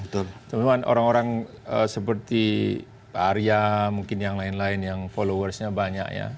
betul cuma orang orang seperti pak arya mungkin yang lain lain yang followersnya banyak ya